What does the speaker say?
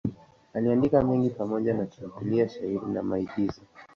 Aliandika mengi pamoja na tamthiliya, shairi na maigizo.